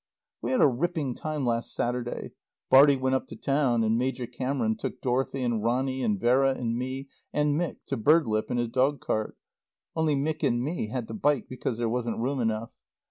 We had a ripping time last Saturday. Bartie went up to town, and Major Cameron took Dorothy and Ronny and Vera and me and Mick to Birdlip in his dog cart, only Mick and me had to bike because there wasn't room enough.